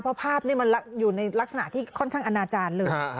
เพราะภาพนี้มันอยู่ในลักษณะที่ค่อนข้างอนาจารย์เลย